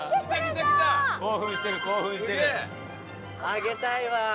あげたいわ！